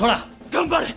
頑張れ！